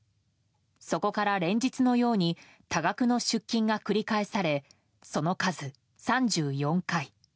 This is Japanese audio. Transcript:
そこから連日のように多額の出金が繰り返されその数、３４回。